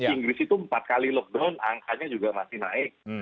inggris itu empat kali lockdown angkanya juga masih naik